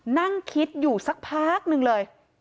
นั่งคิดอยู่สักพักหนึ่งเลย